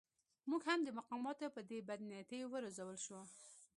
موږ هم د مقاماتو په دې بدنیتۍ و روزل شوو.